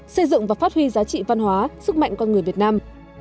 xây dựng và phát huy giá trị văn hóa sức mạnh con người việt nam